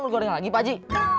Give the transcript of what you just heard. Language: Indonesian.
gorengan lagi pak haji